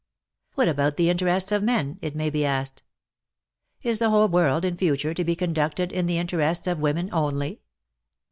But what about the interests of men, it may be asked ? Is the whole world in future to be conducted in the interests of women only?